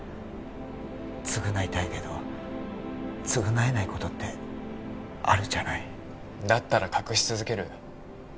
償いたいけど償えないことってあるじゃないだったら隠し続ける？